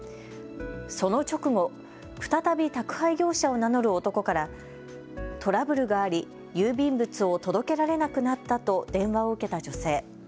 その直後、再び宅配業者を名乗る男からトラブルがあり郵便物を届けられなくなったと電話を受けた女性。